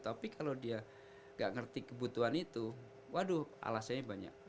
tapi kalau dia nggak ngerti kebutuhan itu waduh alasannya banyak